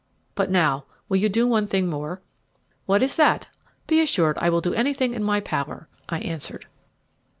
But now, will you do one thing more?" "What is that? Be assured I will do anything in my power," I answered.